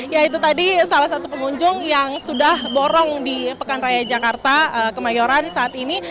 ya itu tadi salah satu pengunjung yang sudah borong di pekan raya jakarta kemayoran saat ini